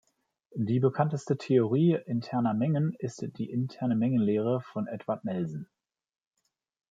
Die bekannteste Theorie interner Mengen ist die Interne Mengenlehre von Edward Nelson.